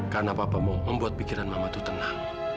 karena papa mau membuat pikiran mama itu tenang